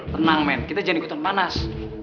tenang men kita jangan ikutan panas